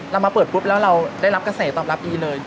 เรามาเปิดปุ๊บแล้วเราได้รับกระแสตอบรับดีเลย